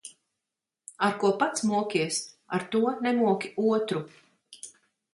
Ar ko pats mokies, ar to nemoki otru.